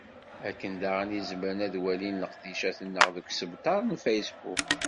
Akken daɣen i zemren ad walin leqdicat-nneɣ deg usebtar n facebook.